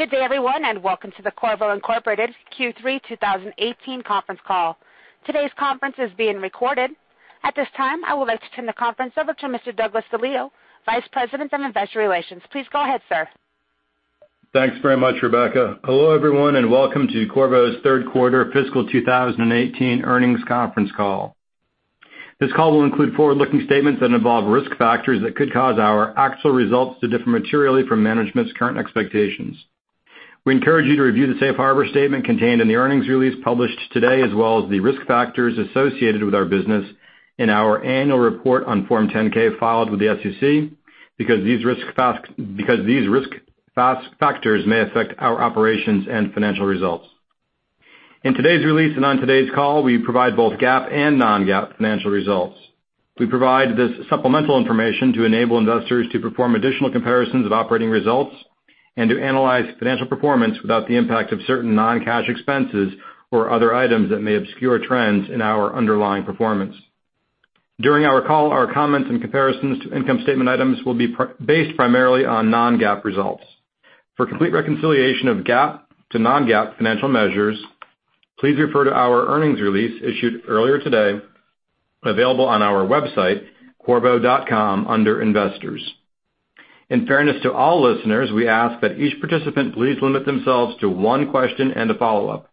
Good day, everyone, and welcome to the Qorvo, Inc. Q3 2018 conference call. Today's conference is being recorded. At this time, I would like to turn the conference over to Mr. Doug DeLieto, Vice President of Investor Relations. Please go ahead, sir. Thanks very much, Rebecca. Hello, everyone, and welcome to Qorvo's third quarter fiscal 2018 earnings conference call. This call will include forward-looking statements that involve risk factors that could cause our actual results to differ materially from management's current expectations. We encourage you to review the safe harbor statement contained in the earnings release published today, as well as the risk factors associated with our business in our annual report on Form 10-K filed with the SEC because these risk factors may affect our operations and financial results. In today's release and on today's call, we provide both GAAP and non-GAAP financial results. We provide this supplemental information to enable investors to perform additional comparisons of operating results and to analyze financial performance without the impact of certain non-cash expenses or other items that may obscure trends in our underlying performance. During our call, our comments and comparisons to income statement items will be based primarily on non-GAAP results. For complete reconciliation of GAAP to non-GAAP financial measures, please refer to our earnings release issued earlier today, available on our website, qorvo.com, under Investors. In fairness to all listeners, we ask that each participant please limit themselves to one question and a follow-up.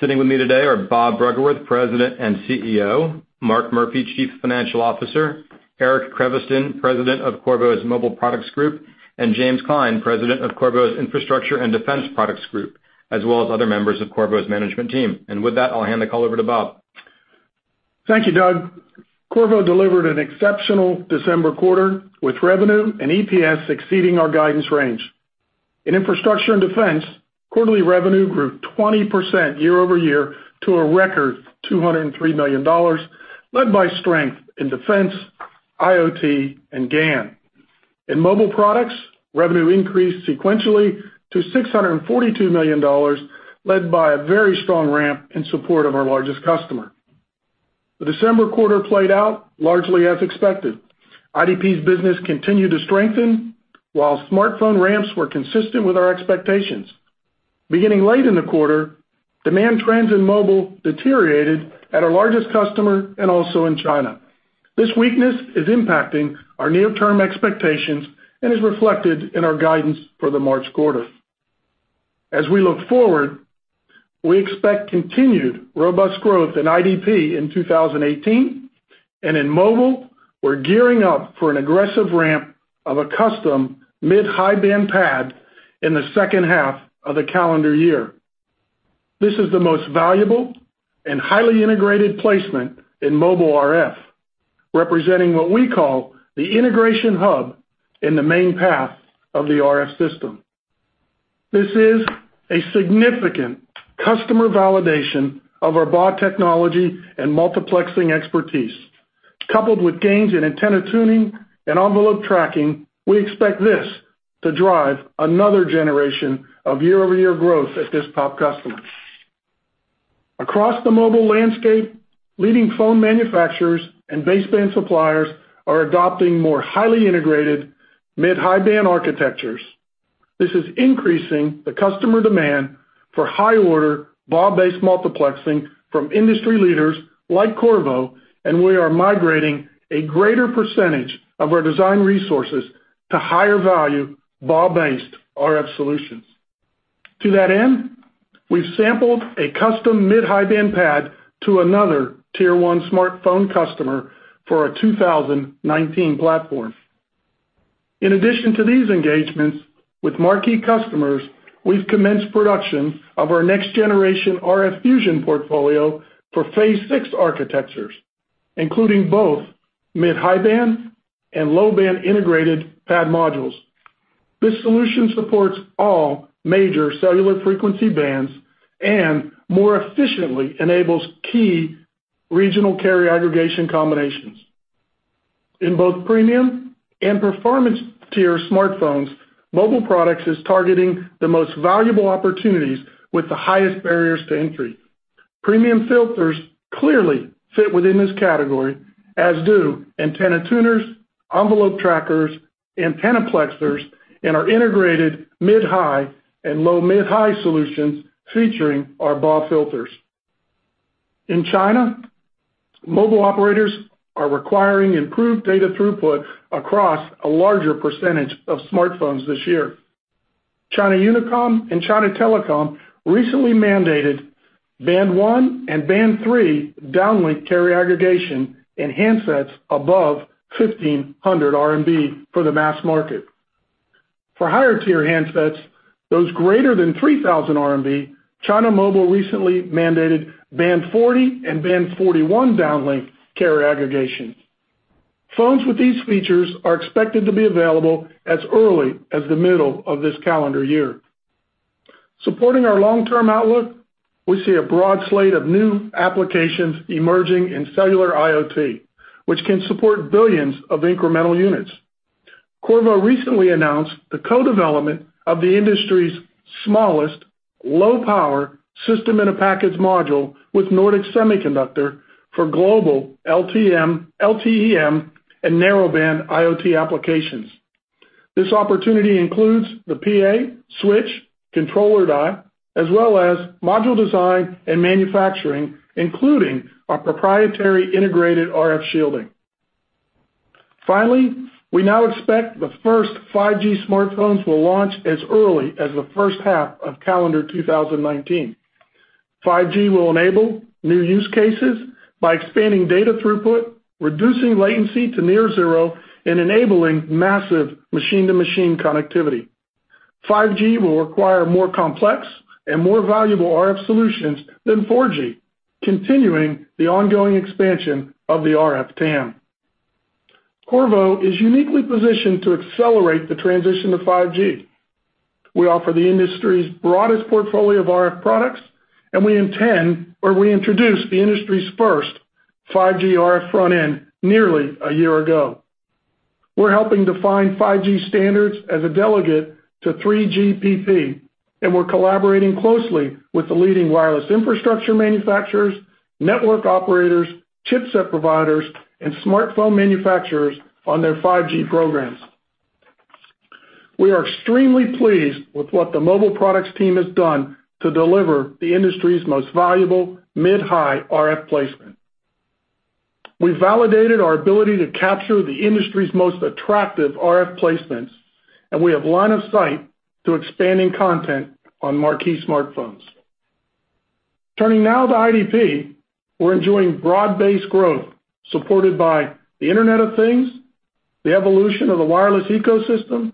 Sitting with me today are Bob Bruggeworth, President and CEO, Mark Murphy, Chief Financial Officer, Eric Creviston, President of Qorvo's Mobile Products Group, and James Klein, President of Qorvo's Infrastructure and Defense Products Group, as well as other members of Qorvo's management team. With that, I'll hand the call over to Bob. Thank you, Doug. Qorvo delivered an exceptional December quarter, with revenue and EPS exceeding our guidance range. In Infrastructure and Defense, quarterly revenue grew 20% year-over-year to a record $203 million, led by strength in defense, IoT, and GaN. In Mobile Products, revenue increased sequentially to $642 million, led by a very strong ramp in support of our largest customer. The December quarter played out largely as expected. IDP's business continued to strengthen, while smartphone ramps were consistent with our expectations. Beginning late in the quarter, demand trends in mobile deteriorated at our largest customer and also in China. This weakness is impacting our near-term expectations and is reflected in our guidance for the March quarter. As we look forward, we expect continued robust growth in IDP in 2018. In mobile, we're gearing up for an aggressive ramp of a custom mid-high band PAD in the second half of calendar year. This is the most valuable and highly integrated placement in mobile RF, representing what we call the integration hub in the main path of the RF system. This is a significant customer validation of our BAW technology and multiplexing expertise. Coupled with gains in antenna tuning and envelope tracking, we expect this to drive another generation of year-over-year growth at this top customer. Across the mobile landscape, leading phone manufacturers and baseband suppliers are adopting more highly integrated mid-high band architectures. This is increasing the customer demand for high-order, BAW-based multiplexing from industry leaders like Qorvo, and we are migrating a greater percentage of our design resources to higher-value, BAW-based RF solutions. To that end, we've sampled a custom mid-high band PAD to another tier 1 smartphone customer for a 2019 platform. In addition to these engagements with marquee customers, we've commenced production of our next-generation RF Fusion portfolio for Phase 6 architectures, including both mid-high band and low-band integrated PAD modules. This solution supports all major cellular frequency bands and more efficiently enables key regional carrier aggregation combinations. In both premium and performance tier smartphones, Mobile Products is targeting the most valuable opportunities with the highest barriers to entry. Premium filters clearly fit within this category, as do antenna tuners, envelope trackers, antennaplexers, and our integrated mid-high and low mid-high solutions featuring our BAW filters. In China, mobile operators are requiring improved data throughput across a larger percentage of smartphones this year. China Unicom and China Telecom recently mandated band 1 and band 3 downlink carrier aggregation in handsets above 1,500 RMB for the mass market. For higher tier handsets, those greater than 3,000 RMB, China Mobile recently mandated band 40 and band 41 downlink carrier aggregation. Phones with these features are expected to be available as early as the middle of calendar year. Supporting our long-term outlook, we see a broad slate of new applications emerging in cellular IoT, which can support billions of incremental units. Qorvo recently announced the co-development of the industry's smallest low-power system in a package module with Nordic Semiconductor for global LTE-M and narrowband IoT applications. This opportunity includes the PA, switch, controller die, as well as module design and manufacturing, including our proprietary integrated RF shielding. We now expect the first 5G smartphones will launch as early as the first half of calendar 2019. 5G will enable new use cases by expanding data throughput, reducing latency to near zero, and enabling massive machine-to-machine connectivity. 5G will require more complex and more valuable RF solutions than 4G, continuing the ongoing expansion of the RF TAM. Qorvo is uniquely positioned to accelerate the transition to 5G. We offer the industry's broadest portfolio of RF products, and we introduced the industry's first 5G RF front end nearly a year ago. We're helping define 5G standards as a delegate to 3GPP, and we're collaborating closely with the leading wireless infrastructure manufacturers, network operators, chipset providers, and smartphone manufacturers on their 5G programs. We are extremely pleased with what the Mobile Products team has done to deliver the industry's most valuable mid-high RF placement. We validated our ability to capture the industry's most attractive RF placements, and we have line of sight to expanding content on marquee smartphones. Turning now to IDP. We're enjoying broad-based growth supported by the Internet of Things, the evolution of the wireless ecosystem,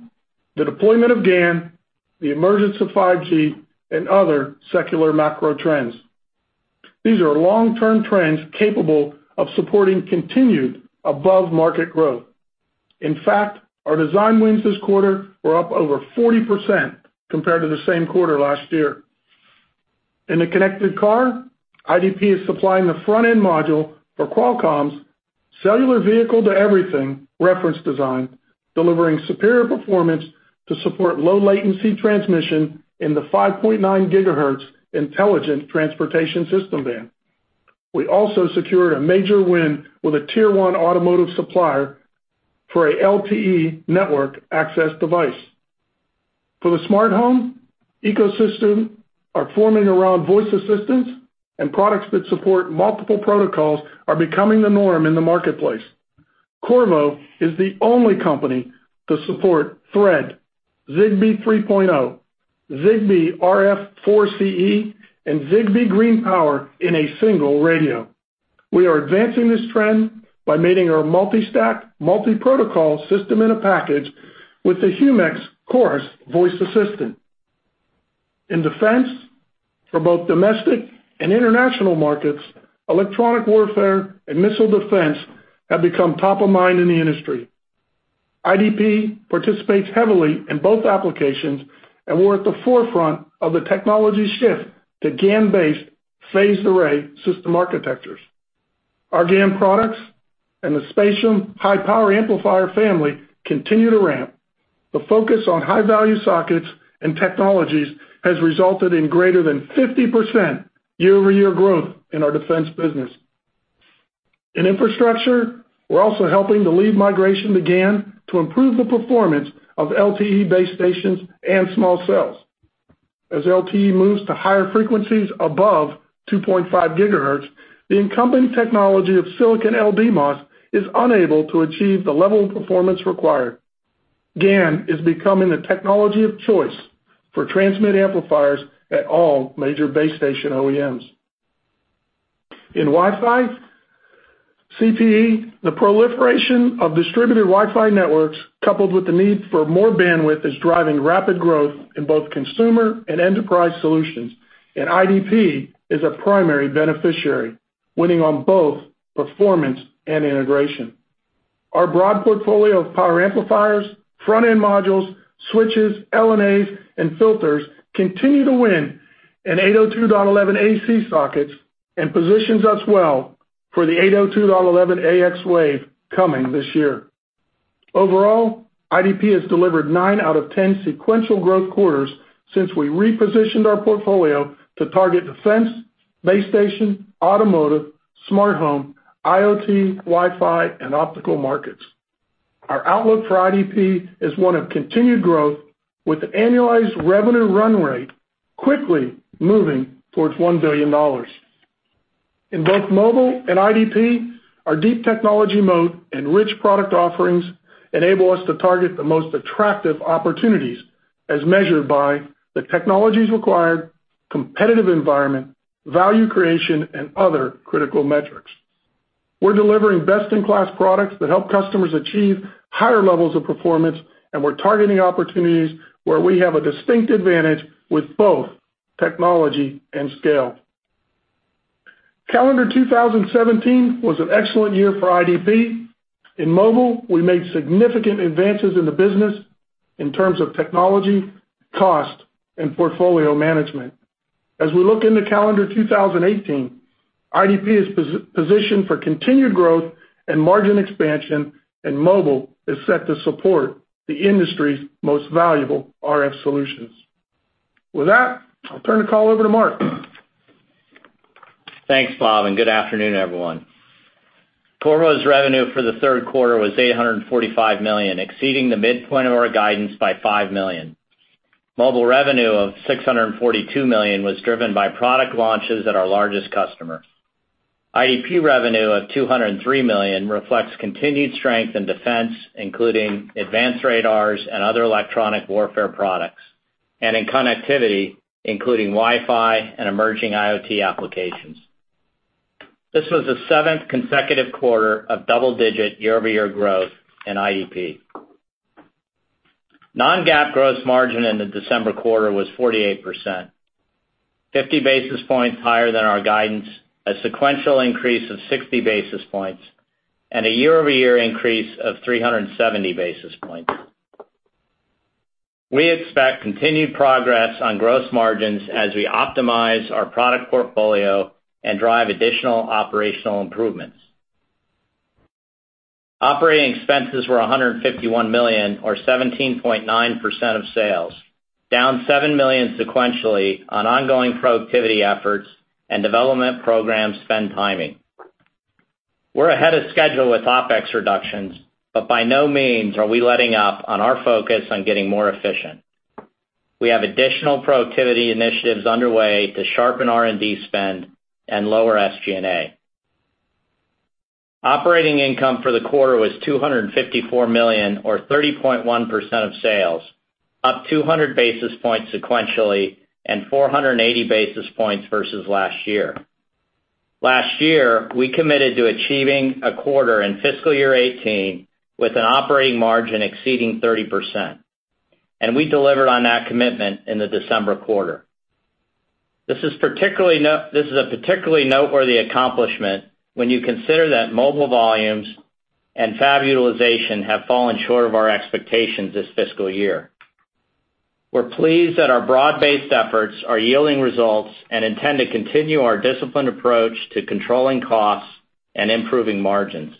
the deployment of GaN, the emergence of 5G, and other secular macro trends. These are long-term trends capable of supporting continued above-market growth. In fact, our design wins this quarter were up over 40% compared to the same quarter last year. In the connected car, IDP is supplying the front-end module for Qualcomm's cellular vehicle to everything reference design, delivering superior performance to support low latency transmission in the 5.9 GHz intelligent transportation system band. We also secured a major win with a tier 1 automotive supplier for a LTE network access device. For the smart home, ecosystem are forming around voice assistants, and products that support multiple protocols are becoming the norm in the marketplace. Qorvo is the only company to support Thread, Zigbee 3.0, Zigbee RF4CE, and Zigbee Green Power in a single radio. We are advancing this trend by mating our multi-stack, multi-protocol system in a package with the HUMAX Chorus voice assistant. In defense, for both domestic and international markets, electronic warfare and missile defense have become top of mind in the industry. IDP participates heavily in both applications, and we're at the forefront of the technology shift to GaN-based phased array system architectures. Our GaN products and the Spatium high-power amplifier family continue to ramp. The focus on high-value sockets and technologies has resulted in greater than 50% year-over-year growth in our defense business. In infrastructure, we're also helping the lead migration to GaN to improve the performance of LTE base stations and small cells. As LTE moves to higher frequencies above 2.5 GHz, the incumbent technology of silicon LDMOS is unable to achieve the level of performance required. GaN is becoming the technology of choice for transmit amplifiers at all major base station OEMs. In Wi-Fi CPE, the proliferation of distributed Wi-Fi networks coupled with the need for more bandwidth, is driving rapid growth in both consumer and enterprise solutions, and IDP is a primary beneficiary, winning on both performance and integration. Our broad portfolio of power amplifiers, front-end modules, switches, LNAs, and filters continue to win in 802.11ac sockets and positions us well for the 802.11ax wave coming this year. Overall, IDP has delivered nine out of 10 sequential growth quarters since we repositioned our portfolio to target defense, base station, automotive, smart home, IoT, Wi-Fi, and optical markets. Our outlook for IDP is one of continued growth with an annualized revenue run rate quickly moving towards $1 billion. In both mobile and IDP, our deep technology moat and rich product offerings enable us to target the most attractive opportunities as measured by the technologies required, competitive environment, value creation, and other critical metrics. We're delivering best-in-class products that help customers achieve higher levels of performance, and we're targeting opportunities where we have a distinct advantage with both technology and scale. Calendar 2017 was an excellent year for IDP. In mobile, we made significant advances in the business in terms of technology, cost, and portfolio management. As we look into calendar 2018, IDP is positioned for continued growth and margin expansion. Mobile is set to support the industry's most valuable RF solutions. With that, I'll turn the call over to Mark. Thanks, Bob, and good afternoon, everyone. Qorvo's revenue for the third quarter was $845 million, exceeding the midpoint of our guidance by $5 million. Mobile revenue of $642 million was driven by product launches at our largest customer. IDP revenue of $203 million reflects continued strength in defense, including advanced radars and other electronic warfare products, and in connectivity, including Wi-Fi and emerging IoT applications. This was the seventh consecutive quarter of double-digit year-over-year growth in IDP. Non-GAAP gross margin in the December quarter was 48%, 50 basis points higher than our guidance, a sequential increase of 60 basis points, and a year-over-year increase of 370 basis points. We expect continued progress on gross margins as we optimize our product portfolio and drive additional operational improvements. Operating expenses were $151 million, or 17.9% of sales, down $7 million sequentially on ongoing productivity efforts and development program spend timing. We're ahead of schedule with OpEx reductions. By no means are we letting up on our focus on getting more efficient. We have additional productivity initiatives underway to sharpen R&D spend and lower SG&A. Operating income for the quarter was $254 million, or 30.1% of sales, up 200 basis points sequentially and 480 basis points versus last year. Last year, we committed to achieving a quarter in fiscal year 2018 with an operating margin exceeding 30%. We delivered on that commitment in the December quarter. This is a particularly noteworthy accomplishment when you consider that mobile volumes and fab utilization have fallen short of our expectations this fiscal year. We're pleased that our broad-based efforts are yielding results and intend to continue our disciplined approach to controlling costs and improving margins.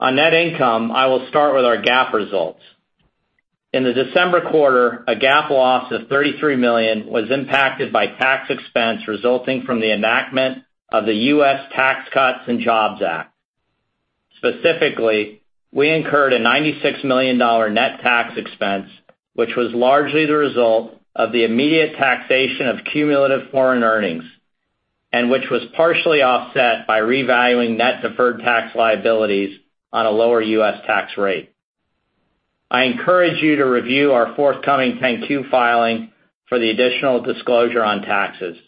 On net income, I will start with our GAAP results. In the December quarter, a GAAP loss of $33 million was impacted by tax expense resulting from the enactment of the U.S. Tax Cuts and Jobs Act. Specifically, we incurred a $96 million net tax expense, which was largely the result of the immediate taxation of cumulative foreign earnings, and which was partially offset by revaluing net deferred tax liabilities on a lower U.S. tax rate. I encourage you to review our forthcoming 10-Q filing for the additional disclosure on taxes.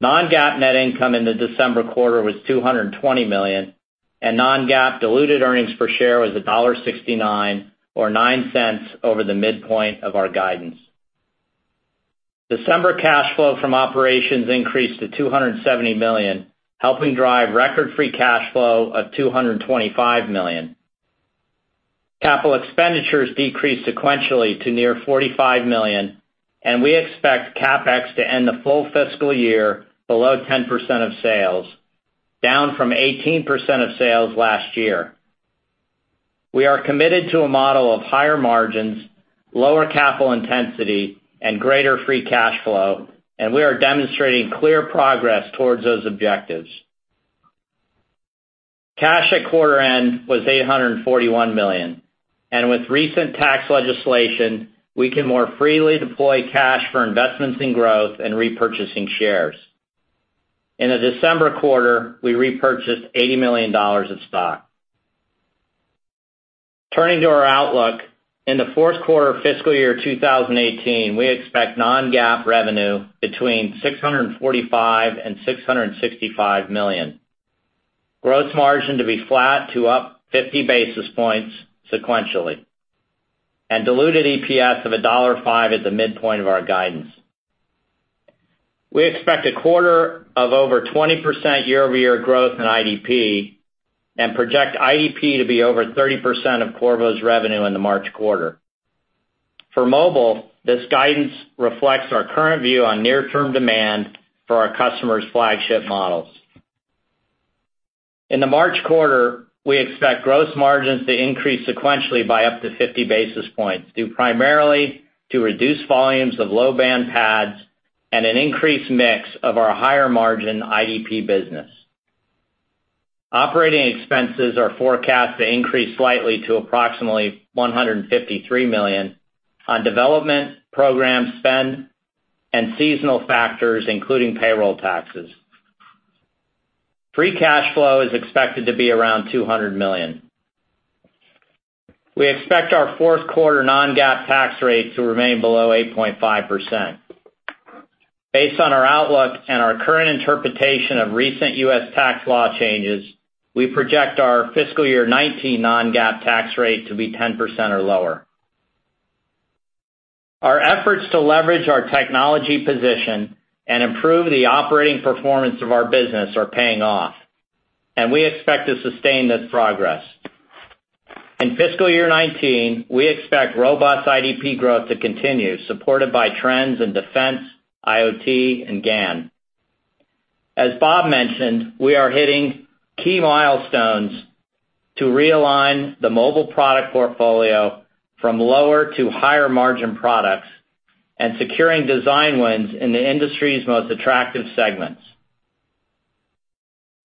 Non-GAAP net income in the December quarter was $220 million, and non-GAAP diluted earnings per share was $1.69, or $0.09 over the midpoint of our guidance. December cash flow from operations increased to $270 million, helping drive record free cash flow of $225 million. Capital expenditures decreased sequentially to near $45 million. We expect CapEx to end the full fiscal year below 10% of sales, down from 18% of sales last year. We are committed to a model of higher margins, lower capital intensity, and greater free cash flow. We are demonstrating clear progress towards those objectives. Cash at quarter end was $841 million. With recent tax legislation, we can more freely deploy cash for investments in growth and repurchasing shares. In the December quarter, we repurchased $80 million of stock. Turning to our outlook, in the fourth quarter of fiscal year 2018, we expect non-GAAP revenue between $645 million and $665 million, gross margin to be flat to up 50 basis points sequentially, and diluted EPS of $1.05 as the midpoint of our guidance. We expect a quarter of over 20% year-over-year growth in IDP and project IDP to be over 30% of Qorvo's revenue in the March quarter. For mobile, this guidance reflects our current view on near-term demand for our customers' flagship models. In the March quarter, we expect gross margins to increase sequentially by up to 50 basis points, due primarily to reduced volumes of low-band PADs and an increased mix of our higher-margin IDP business. Operating expenses are forecast to increase slightly to approximately $153 million on development program spend and seasonal factors, including payroll taxes. Free cash flow is expected to be around $200 million. We expect our fourth quarter non-GAAP tax rate to remain below 8.5%. Based on our outlook and our current interpretation of recent U.S. tax law changes, we project our fiscal year 2019 non-GAAP tax rate to be 10% or lower. Our efforts to leverage our technology position and improve the operating performance of our business are paying off. We expect to sustain this progress. In fiscal year 2019, we expect robust IDP growth to continue, supported by trends in defense, IoT, and GaN. As Bob mentioned, we are hitting key milestones to realign the mobile product portfolio from lower to higher margin products and securing design wins in the industry's most attractive segments.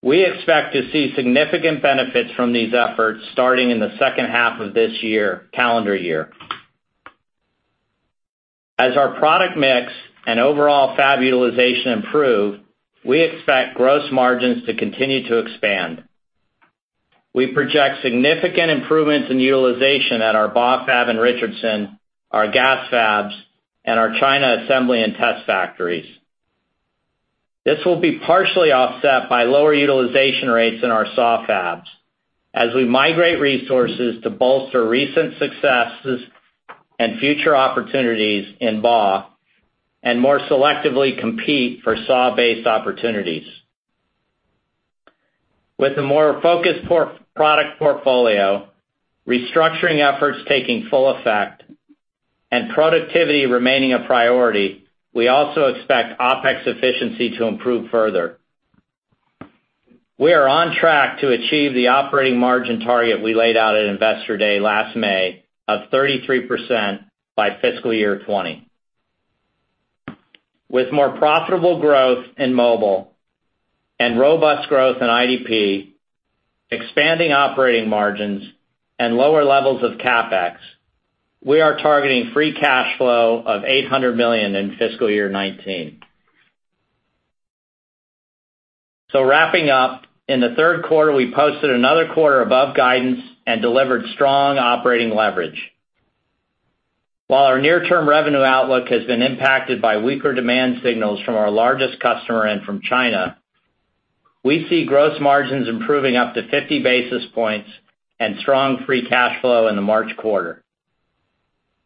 We expect to see significant benefits from these efforts starting in the second half of this calendar year. As our product mix and overall fab utilization improve, we expect gross margins to continue to expand. We project significant improvements in utilization at our BAW fab in Richardson, our GaAs fabs, and our China assembly and test factories. This will be partially offset by lower utilization rates in our SAW fabs, as we migrate resources to bolster recent successes and future opportunities in BAW, and more selectively compete for SAW-based opportunities. With a more focused product portfolio, restructuring efforts taking full effect, and productivity remaining a priority, we also expect OpEx efficiency to improve further. We are on track to achieve the operating margin target we laid out at Investor Day last May of 33% by fiscal year 2020. With more profitable growth in mobile and robust growth in IDP, expanding operating margins, and lower levels of CapEx, we are targeting free cash flow of $800 million in fiscal year 2019. Wrapping up, in the third quarter, we posted another quarter above guidance and delivered strong operating leverage. While our near-term revenue outlook has been impacted by weaker demand signals from our largest customer and from China, we see gross margins improving up to 50 basis points and strong free cash flow in the March quarter.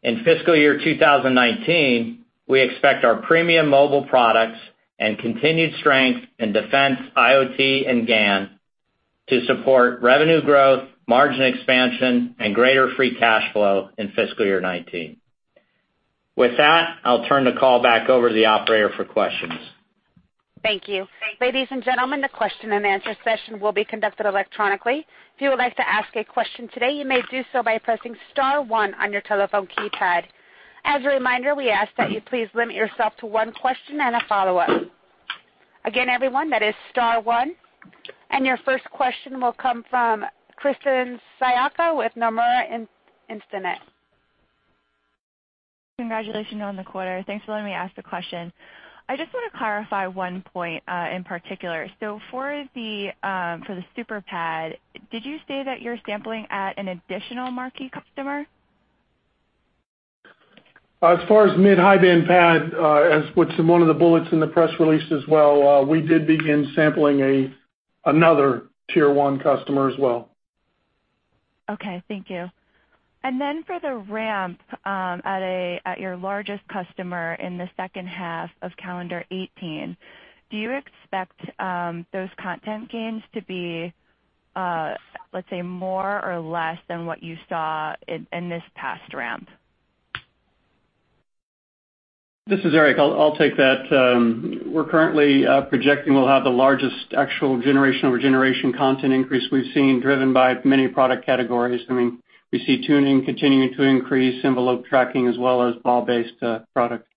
In fiscal year 2019, we expect our premium mobile products and continued strength in defense, IoT, and GaN to support revenue growth, margin expansion, and greater free cash flow in fiscal year 2019. With that, I'll turn the call back over to the operator for questions. Thank you. Ladies and gentlemen, the question-and-answer session will be conducted electronically. If you would like to ask a question today, you may do so by pressing star one on your telephone keypad. As a reminder, we ask that you please limit yourself to one question and a follow-up. Again, everyone, that is star one. Your first question will come from Kristen Sciacca with Nomura Instinet. Congratulations on the quarter. Thanks for letting me ask the question. I just want to clarify one point in particular. For the SuperPAD, did you say that you're sampling at an additional marquee customer? As far as mid-high-band PAD, as what's in one of the bullets in the press release as well, we did begin sampling another tier 1 customer as well. Okay, thank you. For the ramp at your largest customer in the second half of calendar 2018, do you expect those content gains to be, let's say, more or less than what you saw in this past ramp? This is Eric. I'll take that. We're currently projecting we'll have the largest actual generation-over-generation content increase we've seen, driven by many product categories. We see tuning continuing to increase, envelope tracking, as well as BAW-based product.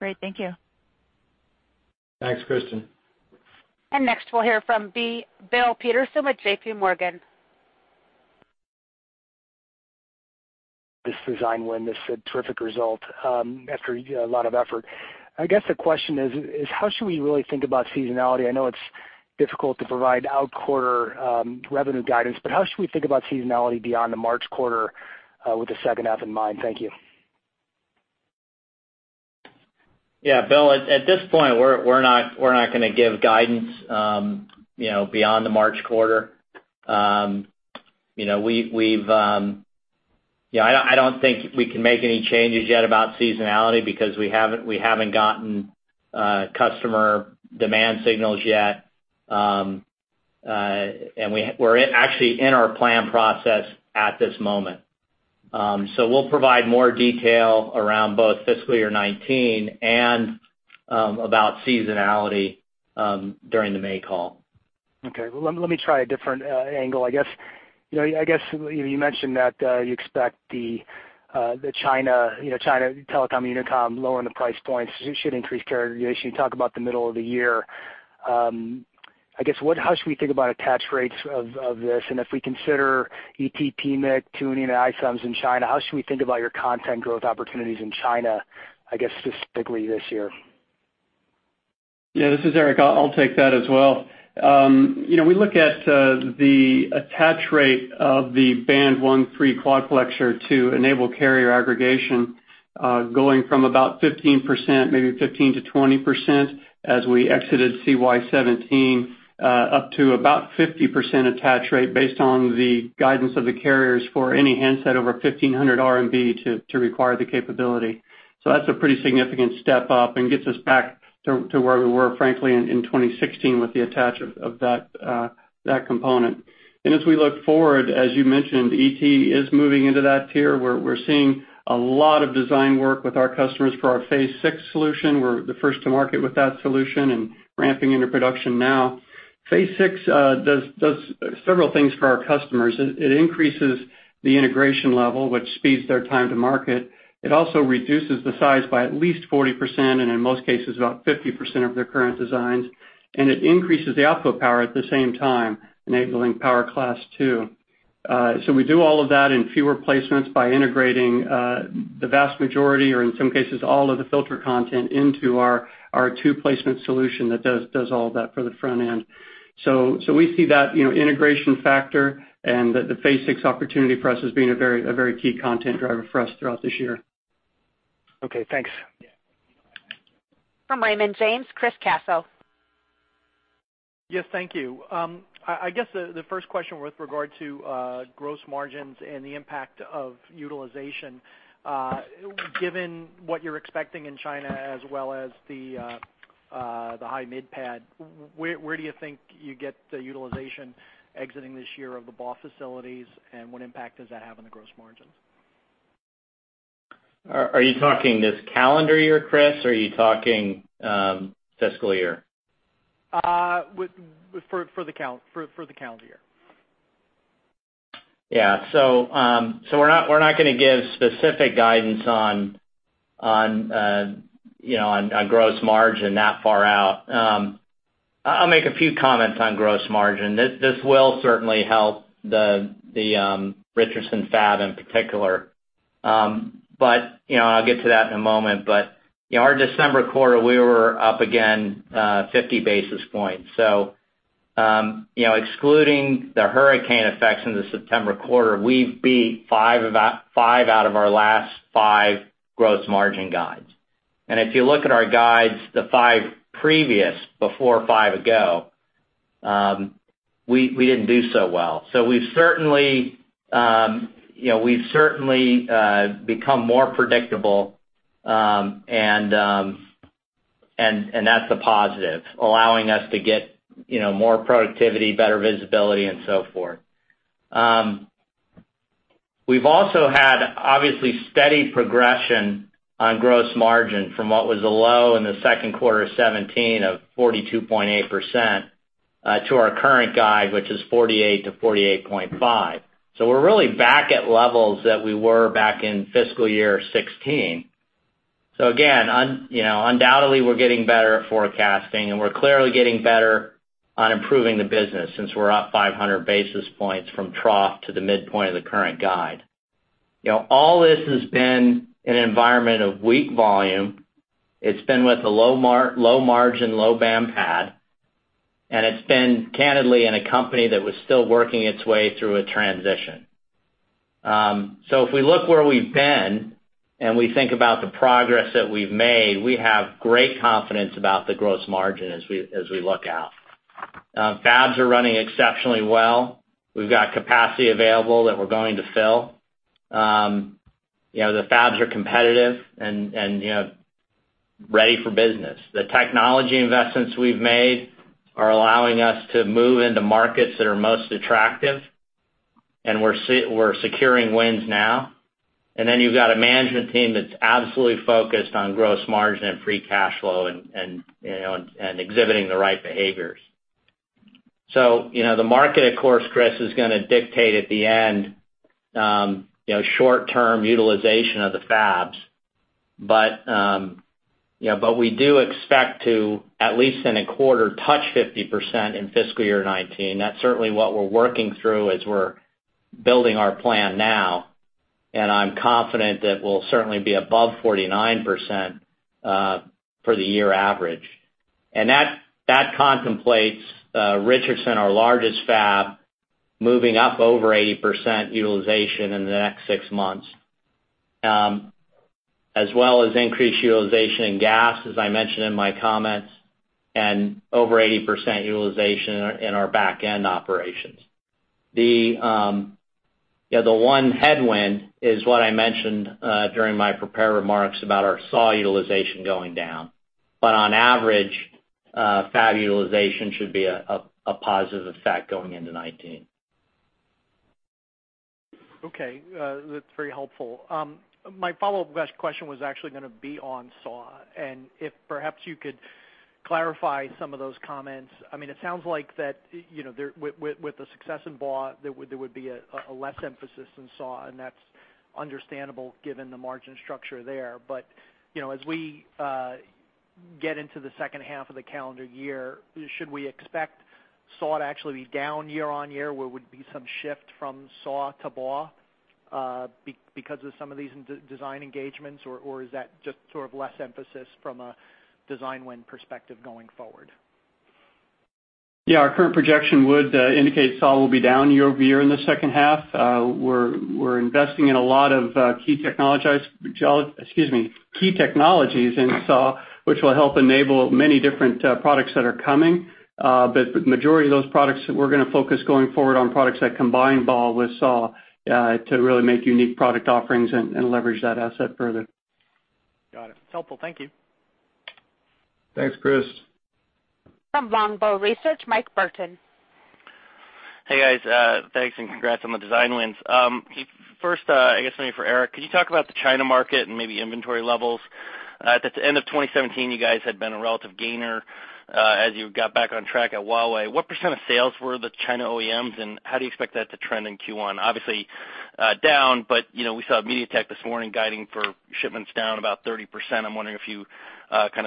Great. Thank you. Thanks, Kristen. Next, we'll hear from Bill Peterson with J.P. Morgan. This design win is a terrific result after a lot of effort. I guess the question is how should we really think about seasonality? I know it's difficult to provide out-quarter revenue guidance, but how should we think about seasonality beyond the March quarter with the second half in mind? Thank you. Yeah, Bill, at this point, we're not going to give guidance beyond the March quarter. I don't think we can make any changes yet about seasonality because we haven't gotten customer demand signals yet. We're actually in our plan process at this moment. We'll provide more detail around both fiscal year 2019 and about seasonality during the May call. Okay. Well, let me try a different angle. I guess you mentioned that you expect the China Telecom Unicom lowering the price points should increase carrier aggregation. You talk about the middle of the year. I guess how should we think about attach rates of this? If we consider ET, PAMiD, tuning, and ISMS in China, how should we think about your content growth opportunities in China, I guess specifically this year? Yeah, this is Eric. I will take that as well. We look at the attach rate of the band 1/3 quadplexer to enable carrier aggregation going from about 15%, maybe 15%-20% as we exited CY 2017, up to about 50% attach rate based on the guidance of the carriers for any handset over 1,500 RMB to require the capability. That's a pretty significant step up and gets us back to where we were, frankly, in 2016 with the attach of that component. As we look forward, as you mentioned, ET is moving into that tier. We are seeing a lot of design work with our customers for our Phase 6 solution. We are the first to market with that solution and ramping into production now. Phase 6 does several things for our customers. It increases the integration level, which speeds their time to market. It also reduces the size by at least 40%, and in most cases, about 50% of their current designs, and it increases the output power at the same time, enabling Power Class 2. We do all of that in fewer placements by integrating the vast majority, or in some cases, all of the filter content into our two-placement solution that does all of that for the front end. We see that integration factor and the Phase 6 opportunity for us as being a very key content driver for us throughout this year. Okay, thanks. From Raymond James, Chris Caso. Yes, thank you. I guess, the first question with regard to gross margins and the impact of utilization. Given what you're expecting in China as well as the high mid PAD, where do you think you get the utilization exiting this year of the BAW facilities, and what impact does that have on the gross margins? Are you talking this calendar year, Chris, or are you talking fiscal year? For the calendar year. Yeah. We're not going to give specific guidance on gross margin that far out. I'll make a few comments on gross margin. This will certainly help the Richardson fab in particular. I'll get to that in a moment. Our December quarter, we were up again 50 basis points. Excluding the hurricane effects in the September quarter, we've beat five out of our last five gross margin guides. If you look at our guides, the five previous, before five ago, we didn't do so well. We've certainly become more predictable, and that's a positive, allowing us to get more productivity, better visibility, and so forth. We've also had, obviously, steady progression on gross margin from what was a low in the second quarter of 2017 of 42.8%, to our current guide, which is 48%-48.5%. We're really back at levels that we were back in fiscal year 2016. Again, undoubtedly, we're getting better at forecasting, and we're clearly getting better on improving the business since we're up 500 basis points from trough to the midpoint of the current guide. All this has been an environment of weak volume. It's been with a low margin, low-band PAD, and it's been, candidly, in a company that was still working its way through a transition. If we look where we've been, and we think about the progress that we've made, we have great confidence about the gross margin as we look out. Fabs are running exceptionally well. We've got capacity available that we're going to fill. The fabs are competitive and ready for business. The technology investments we've made are allowing us to move into markets that are most attractive, and we're securing wins now. You've got a management team that's absolutely focused on gross margin and free cash flow and exhibiting the right behaviors. The market, of course, Chris, is going to dictate at the end, short-term utilization of the fabs. We do expect to, at least in a quarter, touch 50% in fiscal year 2019. That's certainly what we're working through as we're building our plan now, and I'm confident that we'll certainly be above 49% for the year average. That contemplates Richardson, our largest fab, moving up over 80% utilization in the next six months, as well as increased utilization in GaAs, as I mentioned in my comments, and over 80% utilization in our back-end operations. The one headwind is what I mentioned during my prepared remarks about our SAW utilization going down. On average, fab utilization should be a positive effect going into 2019. Okay. That's very helpful. My follow-up question was actually going to be on SAW, and if perhaps you could clarify some of those comments. It sounds like that with the success in BAW, there would be a less emphasis in SAW, and that's understandable given the margin structure there. As we get into the second half of the calendar year, should we expect SAW to actually be down year-over-year? Will there would be some shift from SAW to BAW because of some of these design engagements, or is that just sort of less emphasis from a design win perspective going forward? Our current projection would indicate SAW will be down year-over-year in the second half. We're investing in a lot of key technologies in SAW, which will help enable many different products that are coming. Majority of those products, we're going to focus going forward on products that combine BAW with SAW to really make unique product offerings and leverage that asset further. Got it. It's helpful. Thank you. Thanks, Chris. From Longbow Research, Mike Burton Hey, guys. Thanks and congrats on the design wins. First, I guess something for Eric. Could you talk about the China market and maybe inventory levels? At the end of 2017, you guys had been a relative gainer as you got back on track at Huawei. What % of sales were the China OEMs, and how do you expect that to trend in Q1? Obviously down, but we saw MediaTek this morning guiding for shipments down about 30%. I'm wondering if you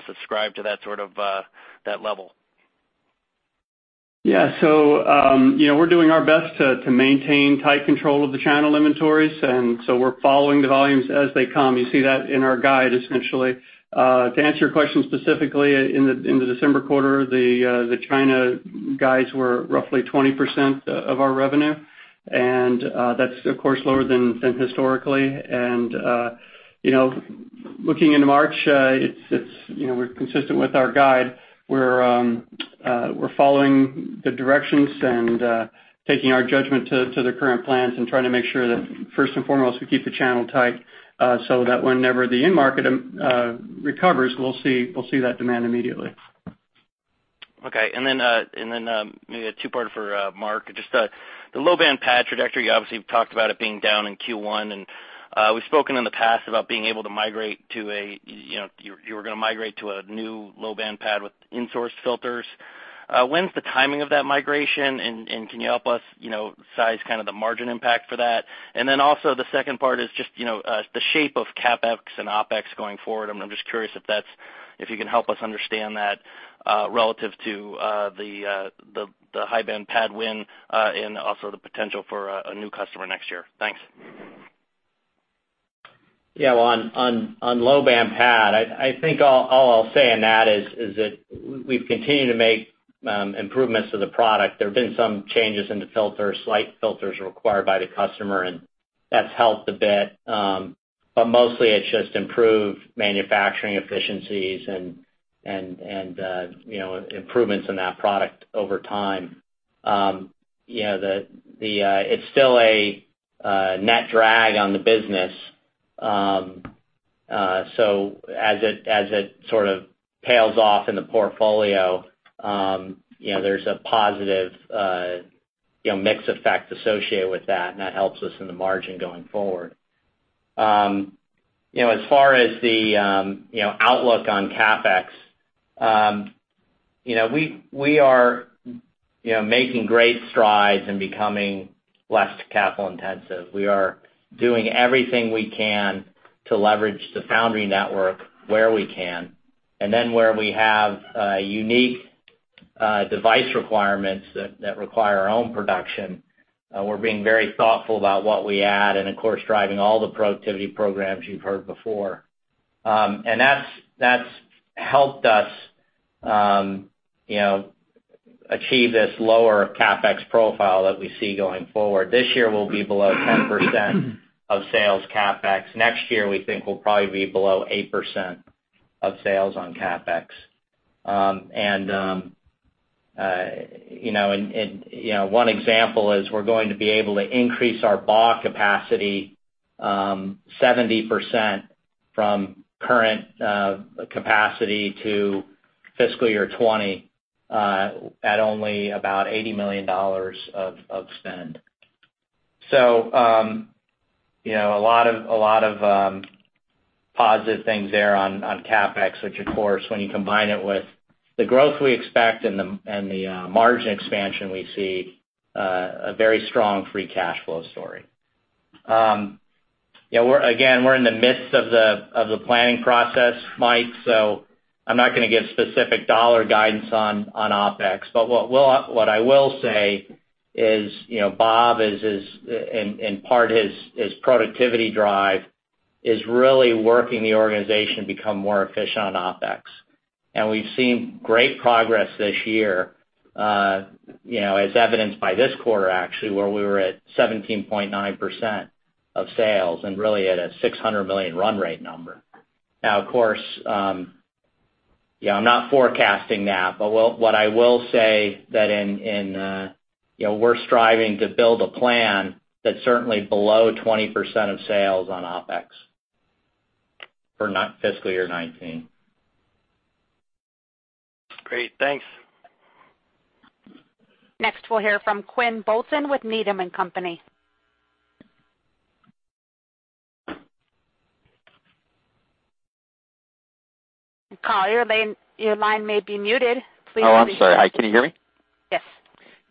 subscribe to that sort of level. Yeah. We're doing our best to maintain tight control of the channel inventories. We're following the volumes as they come. You see that in our guide, essentially. To answer your question specifically, in the December quarter, the China guys were roughly 20% of our revenue, and that's of course lower than historically. Looking into March, we're consistent with our guide. We're following the directions and taking our judgment to the current plans and trying to make sure that first and foremost, we keep the channel tight, so that whenever the end market recovers, we'll see that demand immediately. Okay. Maybe a two-parter for Mark. Just the low-band PAD trajectory, obviously, you've talked about it being down in Q1, and we've spoken in the past about being able to migrate to a new low-band PAD with insourced filters. When's the timing of that migration? Can you help us size kind of the margin impact for that? The second part is just the shape of CapEx and OpEx going forward. I'm just curious if you can help us understand that relative to the high-band PAD win, and also the potential for a new customer next year. Thanks. Yeah. On low-band PAD, I think all I'll say on that is that we've continued to make improvements to the product. There have been some changes in the filters, slight filters required by the customer, and that's helped a bit. Mostly it's just improved manufacturing efficiencies and improvements in that product over time. It's still a net drag on the business. As it sort of pales off in the portfolio, there's a positive mix effect associated with that, and that helps us in the margin going forward. As far as the outlook on CapEx, we are making great strides in becoming less capital intensive. We are doing everything we can to leverage the foundry network where we can. Where we have unique device requirements that require our own production, we're being very thoughtful about what we add and, of course, driving all the productivity programs you've heard before. That's helped us achieve this lower CapEx profile that we see going forward. This year, we'll be below 10% of sales CapEx. Next year, we think we'll probably be below 8% of sales on CapEx. One example is we're going to be able to increase our BAW capacity, 70% from current capacity to fiscal year 2020, at only about $80 million of spend. A lot of positive things there on CapEx, which of course, when you combine it with the growth we expect and the margin expansion, we see a very strong free cash flow story. Again, we're in the midst of the planning process, Mike. I'm not going to give specific dollar guidance on OpEx. What I will say is Bob, in part, his productivity drive is really working the organization to become more efficient on OpEx. We've seen great progress this year, as evidenced by this quarter, actually, where we were at 17.9% of sales and really at a $600 million run rate number. Of course, I'm not forecasting that, what I will say that we're striving to build a plan that's certainly below 20% of sales on OpEx for fiscal year 2019. Great. Thanks. Next, we'll hear from Quinn Bolton with Needham and Company. Caller, your line may be muted. I'm sorry. Can you hear me?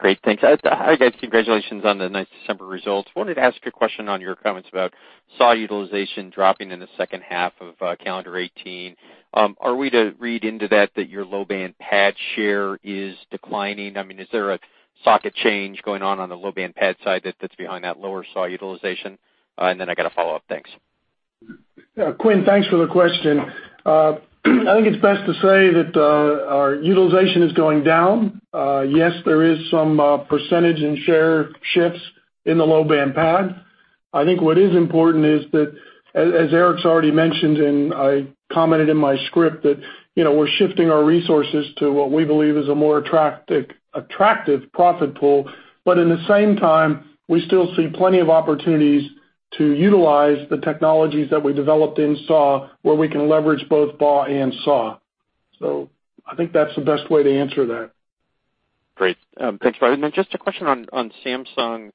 Yes. Great. Thanks. Hi, guys. Congratulations on the nice December results. Wanted to ask a question on your comments about SAW utilization dropping in the second half of calendar 2018. Are we to read into that that your low-band PAD share is declining? I mean, is there a socket change going on the low-band PAD side that's behind that lower SAW utilization? I got a follow-up. Thanks. Quinn, thanks for the question. I think it's best to say that our utilization is going down. Yes, there is some percentage in share shifts in the low-band PAD. I think what is important is that, as Eric's already mentioned and I commented in my script, that we're shifting our resources to what we believe is a more attractive profit pool. In the same time, we still see plenty of opportunities to utilize the technologies that we developed in SAW, where we can leverage both BAW and SAW. I think that's the best way to answer that. Great. Thanks, Bob. Just a question on Samsung.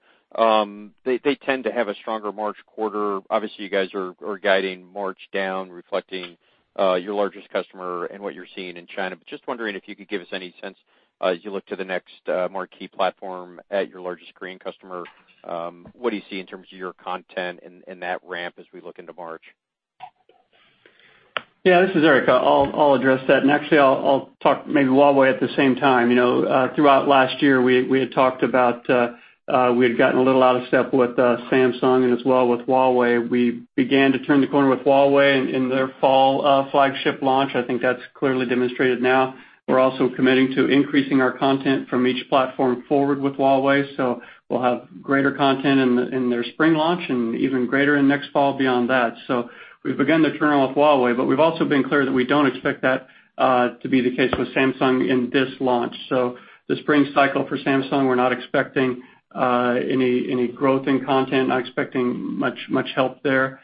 They tend to have a stronger March quarter. Obviously, you guys are guiding March down, reflecting your largest customer and what you're seeing in China. Just wondering if you could give us any sense as you look to the next marquee platform at your largest Korean customer, what do you see in terms of your content and that ramp as we look into March? Yeah, this is Eric. I'll address that. I'll talk maybe Huawei at the same time. Throughout last year, we had gotten a little out of step with Samsung as well with Huawei. We began to turn the corner with Huawei in their fall flagship launch. I think that's clearly demonstrated now. We're also committing to increasing our content from each platform forward with Huawei, so we'll have greater content in their spring launch and even greater in next fall beyond that. We've begun to turn off Huawei, we've also been clear that we don't expect that to be the case with Samsung in this launch. The spring cycle for Samsung, we're not expecting any growth in content, not expecting much help there.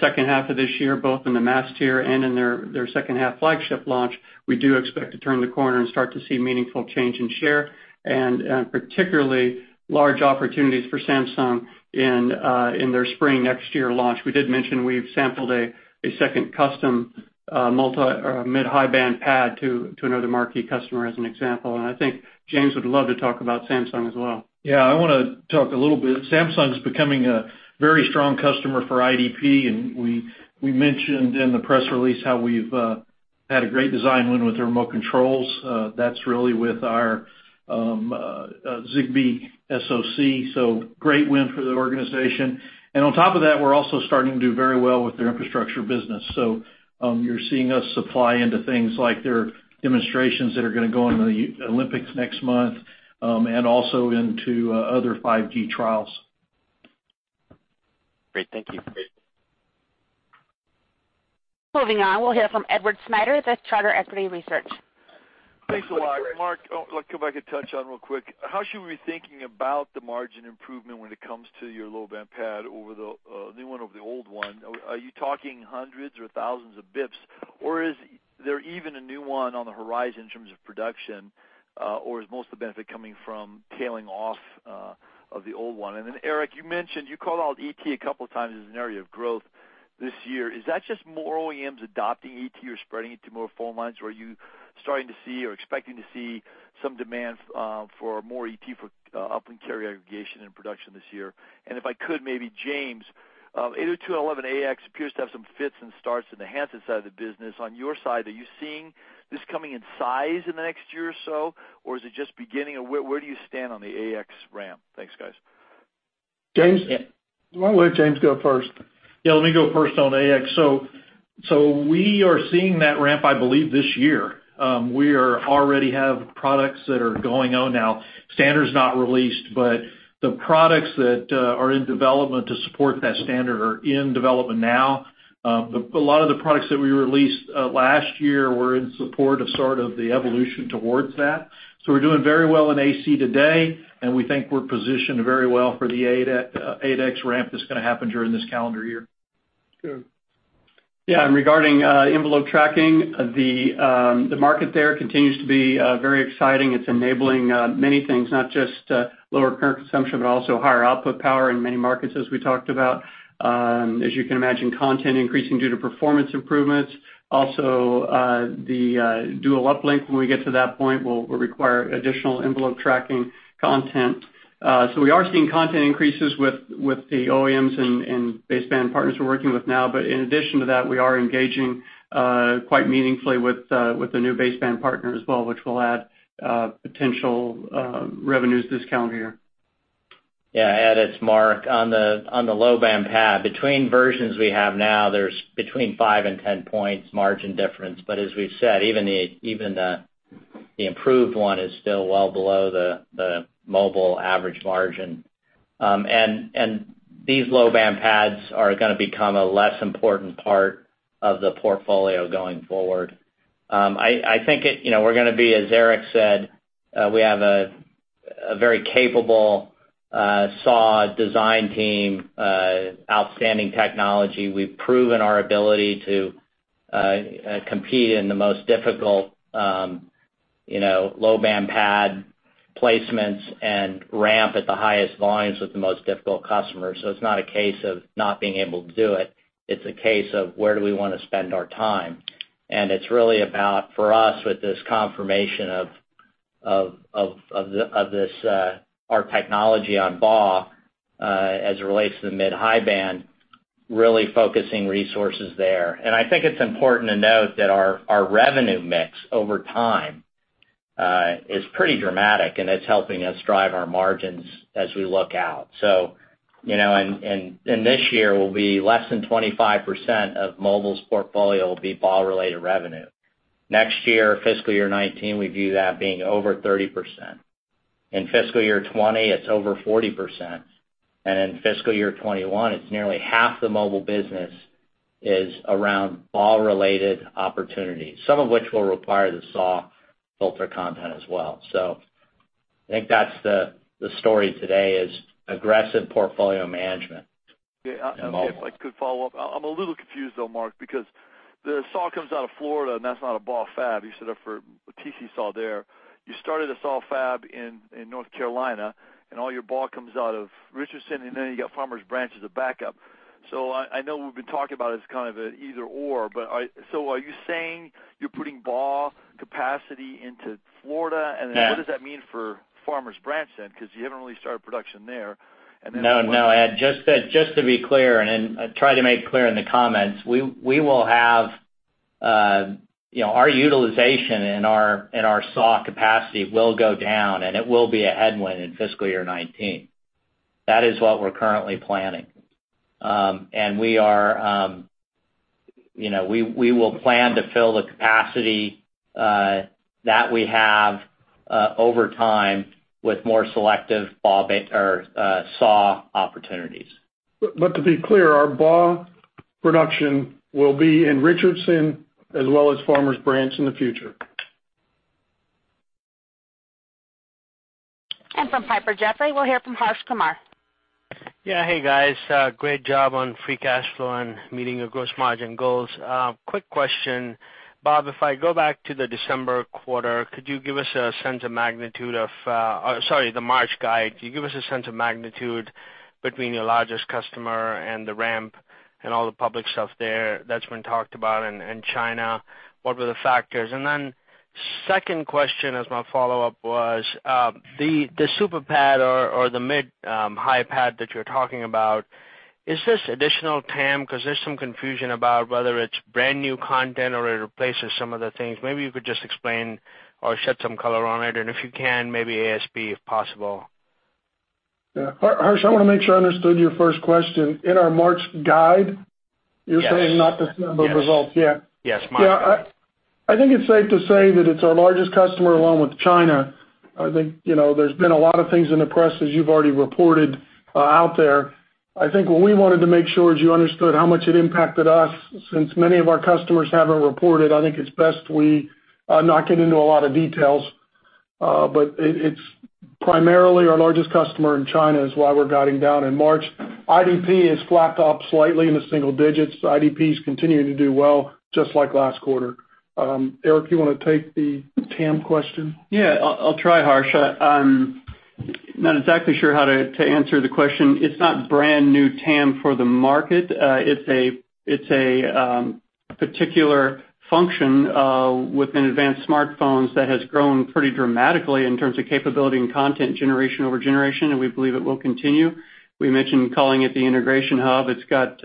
Second half of this year, both in the mass tier and in their second half flagship launch, we do expect to turn the corner and start to see meaningful change in share and particularly large opportunities for Samsung in their spring next year launch. We did mention we've sampled a second custom multi mid-high band PAD to another marquee customer as an example. I think James would love to talk about Samsung as well. Yeah, I want to talk a little bit. Samsung's becoming a very strong customer for IDP, we mentioned in the press release how we've had a great design win with their remote controls. That's really with our Zigbee SoC, great win for the organization. On top of that, we're also starting to do very well with their infrastructure business. You're seeing us supply into things like their demonstrations that are gonna go into the Olympics next month, also into other 5G trials. Great. Thank you. Moving on, we'll hear from Edward Snyder with Charter Equity Research. Thanks a lot. Mark, if I could touch on real quick, how should we be thinking about the margin improvement when it comes to your low-band PAD over the new one, over the old one? Are you talking hundreds or thousands of basis points, or is there even a new one on the horizon in terms of production? Or is most of the benefit coming from tailing off of the old one? Eric, you mentioned, you called out ET a couple of times as an area of growth this year. Is that just more OEMs adopting ET or spreading ET to more phone lines? Or are you starting to see or expecting to see some demand for more ET for uplink carrier aggregation and production this year? If I could, maybe James, 802.11ax appears to have some fits and starts in the handset side of the business. On your side, are you seeing this coming in size in the next year or so? Or is it just beginning? Where do you stand on the ax ramp? Thanks, guys. James? Yeah. Why don't let James go first? Yeah, let me go first on ax. We are seeing that ramp, I believe, this year. We already have products that are going out now. Standard's not released, but the products that are in development to support that standard are in development now. A lot of the products that we released last year were in support of sort of the evolution towards that. We're doing very well in AC today, and we think we're positioned very well for the ax ramp that's going to happen during this calendar year. Sure. Yeah, regarding envelope tracking, the market there continues to be very exciting. It's enabling many things, not just lower current consumption, but also higher output power in many markets, as we talked about. As you can imagine, content increasing due to performance improvements. Also, the dual uplink, when we get to that point, will require additional envelope tracking content. We are seeing content increases with the OEMs and baseband partners we're working with now. In addition to that, we are engaging quite meaningfully with the new baseband partner as well, which will add potential revenues this calendar year. Yeah, to add as Mark, on the low-band PAD, between versions we have now, there's between 5 and 10 points margin difference. As we've said, even the improved one is still well below the mobile average margin. These low-band PADs are going to become a less important part of the portfolio going forward. I think we're going to be, as Eric said, we have a very capable SAW design team, outstanding technology. We've proven our ability to compete in the most difficult low-band PAD placements and ramp at the highest volumes with the most difficult customers. It's not a case of not being able to do it's a case of where do we want to spend our time. It's really about, for us, with this confirmation of our technology on BAW as it relates to the mid-high band, really focusing resources there. I think it's important to note that our revenue mix over time is pretty dramatic, and it's helping us drive our margins as we look out. This year will be less than 25% of Mobile's portfolio will be BAW-related revenue. Next year, fiscal year 2019, we view that being over 30%. In fiscal year 2020, it's over 40%, and in fiscal year 2021, it's nearly half the Mobile business is around BAW-related opportunities, some of which will require the SAW filter content as well. I think that's the story today, is aggressive portfolio management and modules. Yeah. If I could follow up. I'm a little confused though, Mark, because the SAW comes out of Florida, and that's not a BAW fab. You set up for a TC SAW there. You started a SAW fab in North Carolina, and all your BAW comes out of Richardson, and then you got Farmers Branch as a backup. I know we've been talking about it as kind of an either/or, but are you saying you're putting BAW capacity into Florida? Yeah. What does that mean for Farmers Branch then? Because you haven't really started production there. Ed, just to be clear, and I try to make clear in the comments, our utilization in our SAW capacity will go down, and it will be a headwind in fiscal year 2019. That is what we're currently planning. We will plan to fill the capacity that we have over time with more selective SAW opportunities. To be clear, our BAW production will be in Richardson as well as Farmers Branch in the future. From Piper Jaffray, we'll hear from Harsh Kumar. Yeah. Hey, guys. Great job on free cash flow and meeting your gross margin goals. Quick question. Bob, if I go back to the December quarter, could you give us a sense of magnitude of Sorry, the March guide. Could you give us a sense of magnitude between your largest customer and the ramp and all the public stuff there that's been talked about in China? What were the factors? Then second question as my follow-up was, the SuperPAD or the mid-high PAD that you're talking about, is this additional TAM? Because there's some confusion about whether it's brand-new content or it replaces some of the things. Maybe you could just explain or shed some color on it, and if you can, maybe ASP, if possible. Yeah. Harsh, I want to make sure I understood your first question. In our March guide, you're saying- Yes not December results yet? Yes, March. Yeah. I think it's safe to say that it's our largest customer along with China. I think there's been a lot of things in the press, as you've already reported out there. I think what we wanted to make sure is you understood how much it impacted us. Since many of our customers haven't reported, I think it's best we not get into a lot of details. It's primarily our largest customer in China is why we're guiding down in March. IDP has flat to up slightly in the single digits. IDP's continuing to do well just like last quarter. Eric, you want to take the TAM question? Yeah. I'll try, Harsh. I'm not exactly sure how to answer the question. It's not brand-new TAM for the market. It's a particular function within advanced smartphones that has grown pretty dramatically in terms of capability and content generation over generation, and we believe it will continue. We mentioned calling it the integration hub. It's got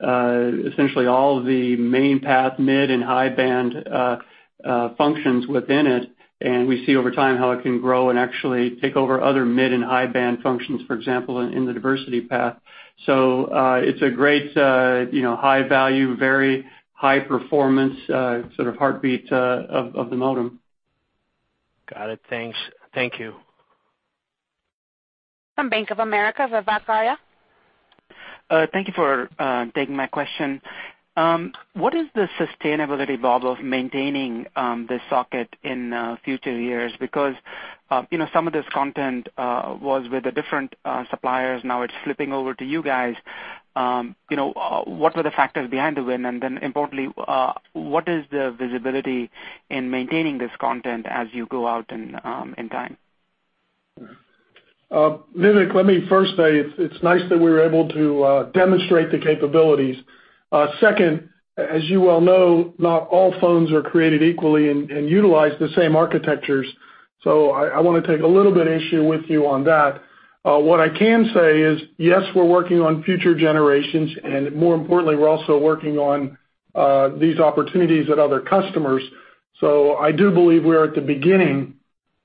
essentially all the main path mid and high band functions within it, and we see over time how it can grow and actually take over other mid and high band functions, for example, in the diversity path. It's a great high value, very high performance sort of heartbeat of the modem. Got it. Thanks. Thank you. From Bank of America, Vivek Arya. Thank you for taking my question. What is the sustainability, Bob, of maintaining this socket in future years? Some of this content was with the different suppliers, now it's flipping over to you guys. What were the factors behind the win? Importantly, what is the visibility in maintaining this content as you go out in time? Vivek, let me first say it's nice that we were able to demonstrate the capabilities. Second, as you well know, not all phones are created equally and utilize the same architectures. I want to take a little bit issue with you on that. What I can say is, yes, we're working on future generations. More importantly, we're also working on these opportunities at other customers. I do believe we're at the beginning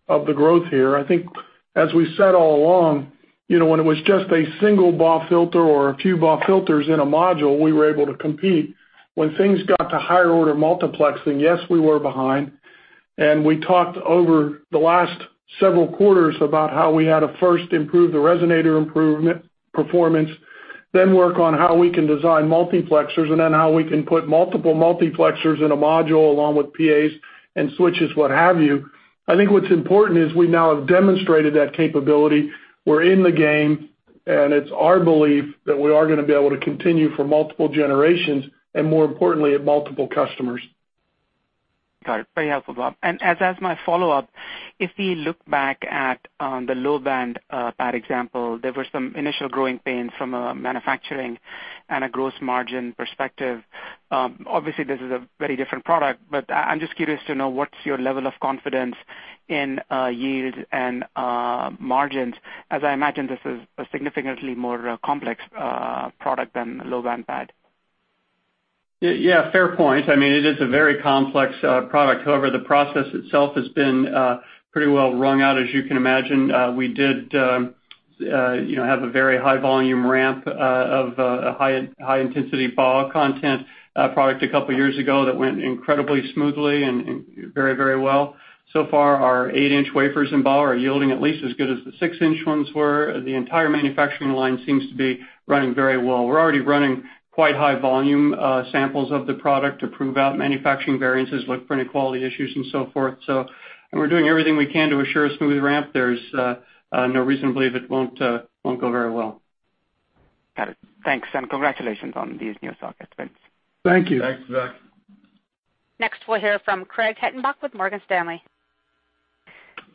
of the growth here. I think as we said all along, when it was just a single BAW filter or a few BAW filters in a module, we were able to compete. When things got to higher order multiplexing, yes, we were behind. We talked over the last several quarters about how we had to first improve the resonator improvement performance, then work on how we can design multiplexers, and then how we can put multiple multiplexers in a module along with PAs and switches, what have you. I think what's important is we now have demonstrated that capability. We're in the game. It's our belief that we are going to be able to continue for multiple generations. More importantly, at multiple customers. Got it. Very helpful, Bob. As my follow-up, if we look back at the low-band PAD example, there were some initial growing pains from a manufacturing and a gross margin perspective. Obviously, this is a very different product. I'm just curious to know what's your level of confidence in yield and margins, as I imagine this is a significantly more complex product than low-band PAD. Yeah, fair point. It is a very complex product. However, the process itself has been pretty well wrung out, as you can imagine. We did have a very high volume ramp of a high intensity BAW content product a couple of years ago that went incredibly smoothly and very well. Far, our 8-inch wafers in BAW are yielding at least as good as the 6-inch ones were. The entire manufacturing line seems to be running very well. We're already running quite high volume samples of the product to prove out manufacturing variances, look for any quality issues and so forth. We're doing everything we can to assure a smooth ramp. There's no reason to believe it won't go very well. Got it. Thanks, and congratulations on these new sockets wins. Thank you. Thanks, Vivek. Next, we'll hear from Craig Hettenbach with Morgan Stanley.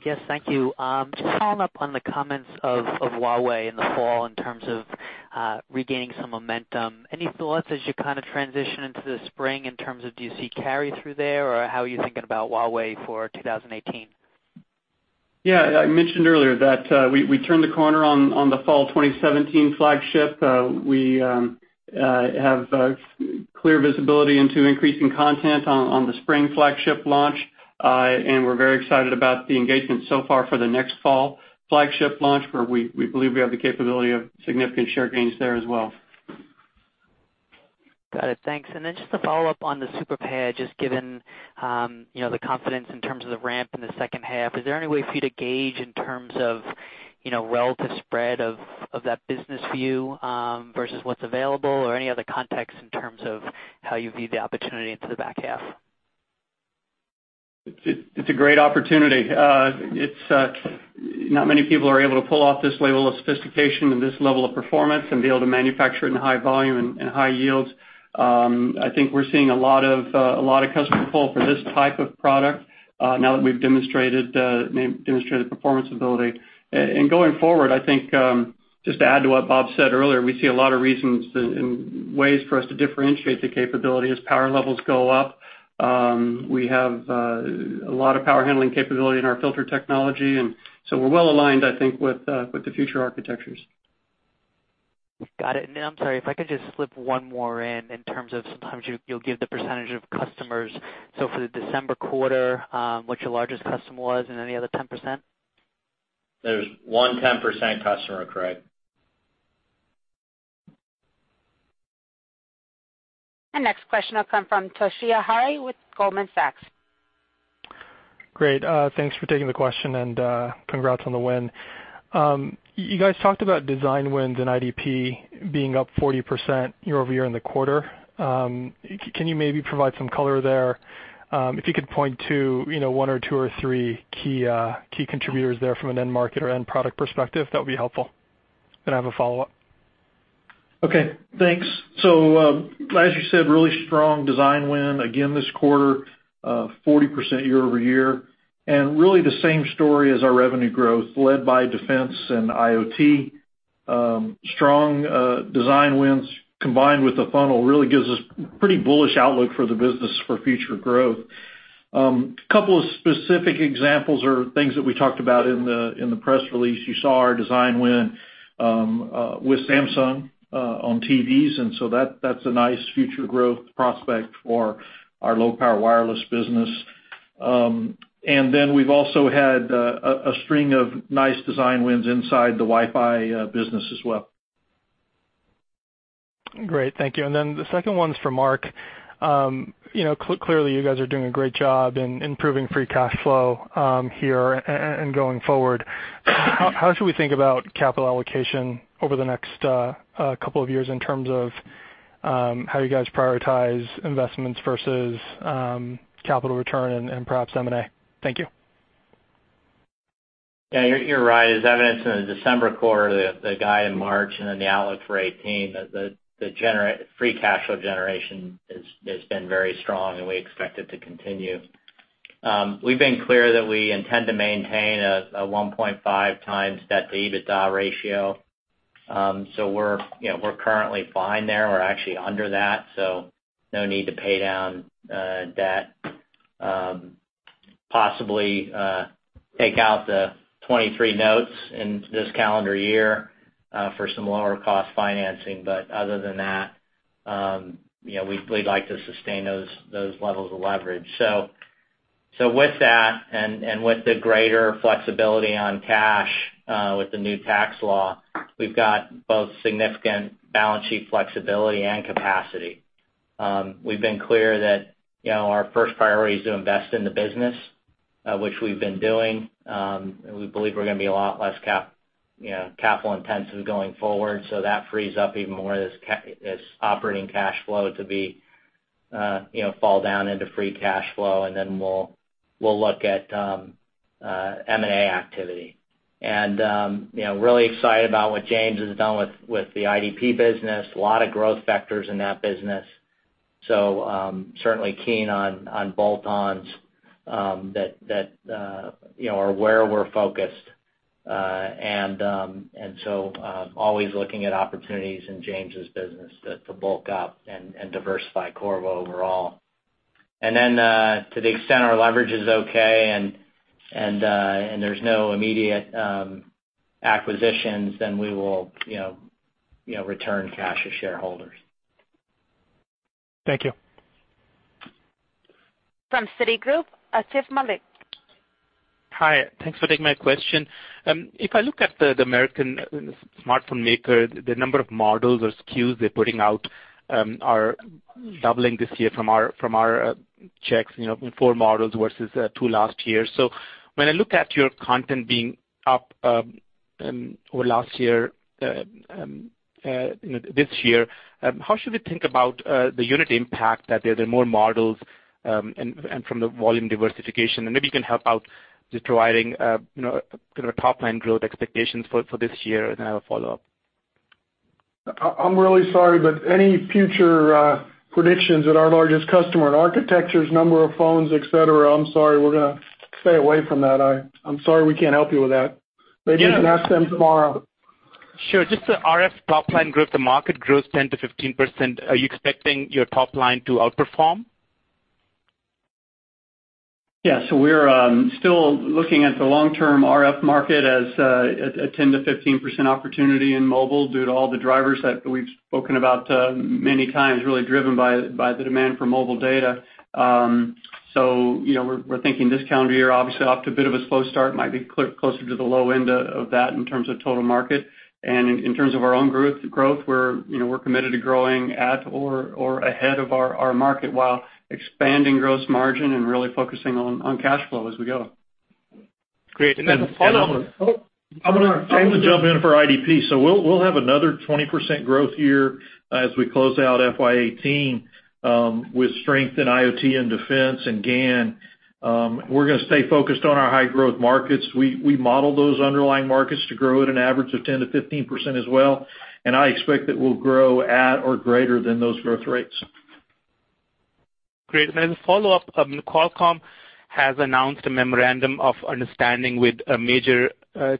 Yes, thank you. Just following up on the comments of Huawei in the fall in terms of regaining some momentum. Any thoughts as you transition into the spring in terms of, do you see carry through there, or how are you thinking about Huawei for 2018? Yeah, I mentioned earlier that we turned the corner on the fall 2017 flagship. We're very excited about the engagement so far for the next fall flagship launch, where we believe we have the capability of significant share gains there as well. Got it. Thanks. Just to follow up on the Super PAD, just given the confidence in terms of the ramp in the second half, is there any way for you to gauge in terms of relative spread of that business view, versus what's available, or any other context in terms of how you view the opportunity into the back half? It's a great opportunity. Not many people are able to pull off this level of sophistication and this level of performance and be able to manufacture it in high volume and high yields. I think we're seeing a lot of customer pull for this type of product now that we've demonstrated performance ability. Going forward, I think, just to add to what Bob said earlier, we see a lot of reasons and ways for us to differentiate the capability as power levels go up. We have a lot of power handling capability in our filter technology, we're well-aligned, I think, with the future architectures. I'm sorry, if I could just slip one more in terms of sometimes you'll give the percentage of customers. For the December quarter, what your largest customer was and any other 10%? There's one 10% customer, Craig. Next question will come from Toshiya Hari with Goldman Sachs. Great, thanks for taking the question and congrats on the win. You guys talked about design wins in IDP being up 40% year-over-year in the quarter. Can you maybe provide some color there? If you could point to one or two or three key contributors there from an end market or end product perspective, that would be helpful. I have a follow-up. Okay, thanks. As you said, really strong design win again this quarter, 40% year-over-year. Really the same story as our revenue growth, led by defense and IoT. Strong design wins combined with the funnel really gives us pretty bullish outlook for the business for future growth. Couple of specific examples or things that we talked about in the press release, you saw our design win with Samsung on TVs, that's a nice future growth prospect for our low-power wireless business. We've also had a string of nice design wins inside the Wi-Fi business as well. Great. Thank you. The second one's for Mark. Clearly, you guys are doing a great job in improving free cash flow here and going forward. How should we think about capital allocation over the next couple of years in terms of how you guys prioritize investments versus capital return and perhaps M&A? Thank you. Yeah, you're right. As evidenced in the December quarter, the guide in March and the outlook for 2018, the free cash flow generation has been very strong, and we expect it to continue. We've been clear that we intend to maintain a 1.5 times debt-to-EBITDA ratio. We're currently fine there. We're actually under that, no need to pay down debt. Possibly take out the 2023 notes in this calendar year for some lower cost financing. Other than that, we'd like to sustain those levels of leverage. With that and with the greater flexibility on cash with the new tax law, we've got both significant balance sheet flexibility and capacity. We've been clear that our first priority is to invest in the business, which we've been doing. We believe we're going to be a lot less capital intensive going forward, that frees up even more of this operating cash flow to fall down into free cash flow, we'll look at M&A activity. Really excited about what James has done with the IDP business, a lot of growth vectors in that business. Certainly keen on bolt-ons that are where we're focused. Always looking at opportunities in James' business to bulk up and diversify Qorvo overall. To the extent our leverage is okay and there's no immediate acquisitions, we will return cash to shareholders. Thank you. From Citigroup, Atif Malik. Hi, thanks for taking my question. If I look at the American smartphone maker, the number of models or SKUs they're putting out are doubling this year from our checks, in four models versus two last year. When I look at your content being up this year, how should we think about the unit impact that there are more models, and from the volume diversification? Maybe you can help out just providing kind of top-line growth expectations for this year, and then I have a follow-up. I'm really sorry, but any future predictions at our largest customer architectures, number of phones, et cetera, I'm sorry, we're going to stay away from that. I'm sorry, we can't help you with that. Maybe you can ask them tomorrow. Sure. Just the RF top line growth, the market growth 10%-15%, are you expecting your top line to outperform? Yeah. We're still looking at the long-term RF market as a 10%-15% opportunity in mobile due to all the drivers that we've spoken about many times, really driven by the demand for mobile data. We're thinking this calendar year, obviously off to a bit of a slow start, might be closer to the low end of that in terms of total market. In terms of our own growth, we're committed to growing at or ahead of our market while expanding gross margin and really focusing on cash flow as we go. Great. Follow-up. I'm gonna jump in for IDP. We'll have another 20% growth year as we close out FY 2018, with strength in IoT and defense and GaN. We're gonna stay focused on our high growth markets. We model those underlying markets to grow at an average of 10%-15% as well, I expect that we'll grow at or greater than those growth rates. Great. As a follow-up, Qualcomm has announced a memorandum of understanding with a major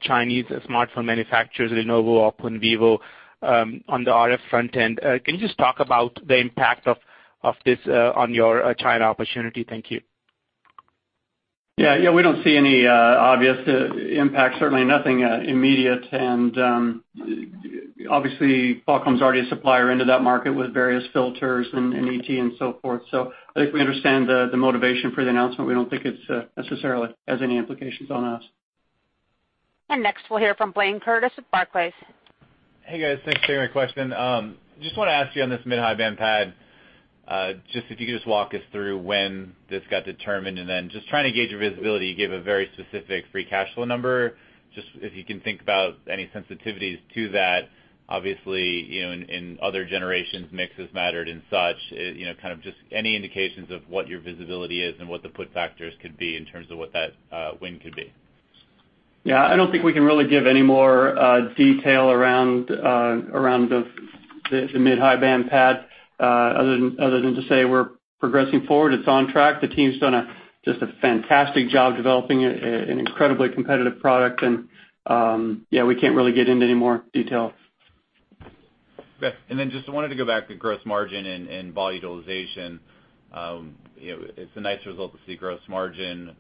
Chinese smartphone manufacturer, Lenovo, OPPO, and vivo, on the RF front end. Can you just talk about the impact of this on your China opportunity? Thank you. Yeah. We don't see any obvious impact, certainly nothing immediate. Obviously Qualcomm's already a supplier into that market with various filters and ET and so forth. I think we understand the motivation for the announcement. We don't think it necessarily has any implications on us. Next, we'll hear from Blayne Curtis of Barclays. Hey, guys. Thanks for taking my question. Just want to ask you on this mid-high band PAD, if you could just walk us through when this got determined, then just trying to gauge your visibility, you gave a very specific free cash flow number. Just if you can think about any sensitivities to that, obviously, in other generations, mixes mattered and such, kind of just any indications of what your visibility is and what the put factors could be in terms of what that win could be. I don't think we can really give any more detail around the mid-high band PAD, other than to say we're progressing forward. It's on track. The team's done just a fantastic job developing an incredibly competitive product, we can't really get into any more detail. Okay. Just wanted to go back to gross margin and vol utilization. It's a nice result to see gross margin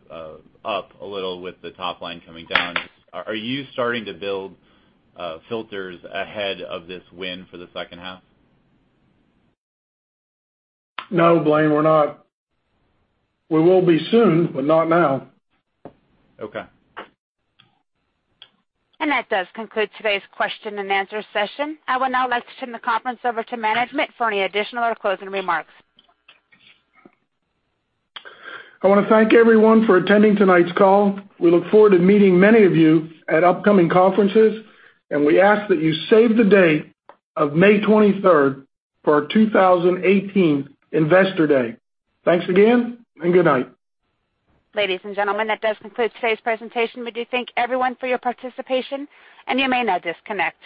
up a little with the top line coming down. Are you starting to build filters ahead of this win for the second half? No, Blayne, we're not. We will be soon, not now. Okay. That does conclude today's question and answer session. I would now like to turn the conference over to management for any additional or closing remarks. I want to thank everyone for attending tonight's call. We look forward to meeting many of you at upcoming conferences, and we ask that you save the date of May 23rd for our 2018 Investor Day. Thanks again, and good night. Ladies and gentlemen, that does conclude today's presentation. We do thank everyone for your participation, and you may now disconnect.